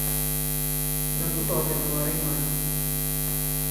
Lortuko ote du oraingoan?